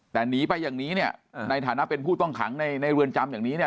แต่หนีไปอย่างนี้เนี่ยในฐานะเป็นผู้ต้องขังในเรือนจำอย่างนี้เนี่ย